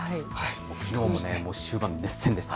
きのうも終盤、熱戦でした。